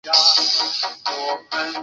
小方竹为禾本科方竹属下的一个种。